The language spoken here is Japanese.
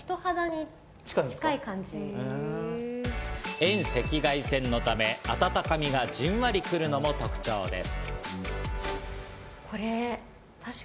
遠赤外線のため、温かみがジンワリ来るのも特徴です。